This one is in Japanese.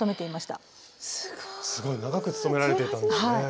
すごい長く勤められていたんですね。